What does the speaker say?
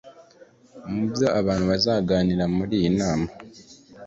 Mu byo abantu bazaganira muri iyi nama